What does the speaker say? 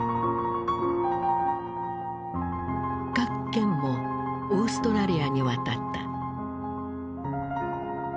郭健もオーストラリアに渡った。